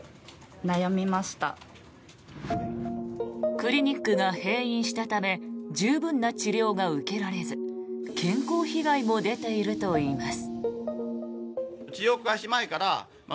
クリニックが閉院したため十分な治療が受けられず健康被害も出ているといいます。